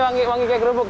wangi wangi kayak kerupuk